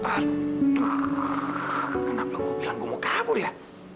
artah kenapa lo bilang gue mau kabur ya